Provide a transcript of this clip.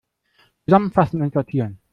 Zusammenfassen und sortieren!